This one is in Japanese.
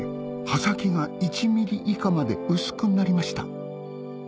刃先が１ｍｍ以下まで薄くなりました